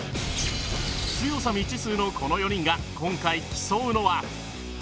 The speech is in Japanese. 強さ未知数のこの４人が今回競うのは